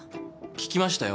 聞きましたよ。